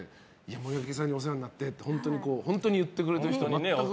森脇さんにお世話になってって本当に言ってくれてる人。